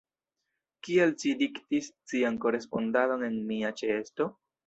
Kial ci diktis cian korespondadon en mia ĉeesto?